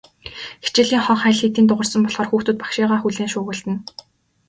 Хичээлийн хонх аль хэдийн дуугарсан болохоор хүүхдүүд багшийгаа хүлээн шуугилдана.